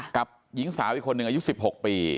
กับหญิงสาวอีกคนหนึ่งอายุ๑๖ปี